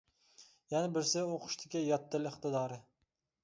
يەنە بىرسى ئوقۇشتىكى يات تىل ئىقتىدارى.